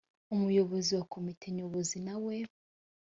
umuyobozi wa komite nyobozi na we